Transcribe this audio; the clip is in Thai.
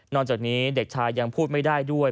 จากนี้เด็กชายยังพูดไม่ได้ด้วย